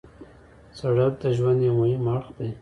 سړک د ژوند یو مهم اړخ دی.